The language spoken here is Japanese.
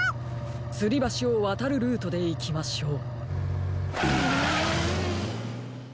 つりばしをわたるルートでいきましょう。